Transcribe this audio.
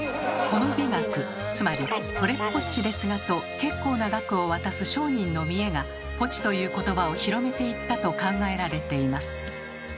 この美学つまり「これっぽっちですが」と結構な額を渡す商人の見栄が「ぽち」という言葉を広めていったと考えられています。